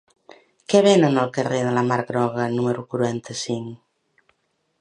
Què venen al carrer de la Mar Groga número quaranta-cinc?